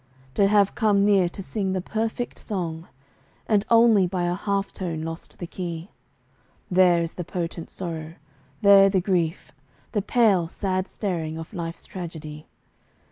To have come near to sing the perfect song And only by a half tone lost the key, There is the potent sorrow, there the grief, The pale, sad staring of life's tragedy.